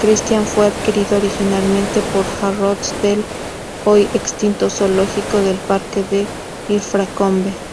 Christian fue adquirido originalmente por Harrods del, hoy extinto, zoológico del parque de Ilfracombe.